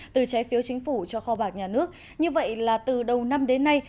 từ trái phiếu chính phủ cho kho bạc nhà nước như vậy là từ đầu năm đến nay